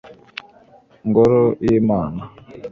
mu ngoro y'imana